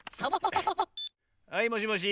はいもしもし。